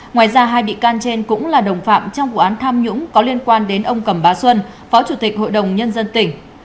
ngoài ra hai bị can trên cũng là đồng phạm trong vụ án tham nhũng có liên quan đến ông cầm bá xuân phó chủ tịch hội đồng nhân dân tỉnh